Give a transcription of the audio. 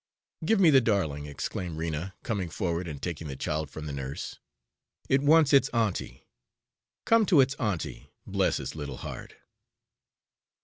"Give me the darling," exclaimed Rena, coming forward and taking the child from the nurse. "It wants its auntie. Come to its auntie, bless its little heart!"